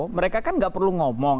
mereka kan nggak perlu ngomong